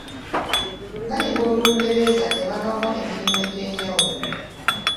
Bayiga Olungereza ne babawa emirimu egy’enjawulo.